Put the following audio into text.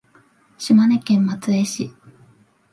島根県松江市